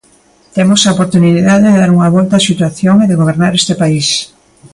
Temos a oportunidade de dar unha volta á situación e de gobernar este país.